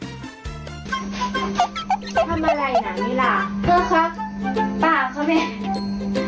ทำอะไรนะล่ะเพื่อเขาปากเขาเนี่ย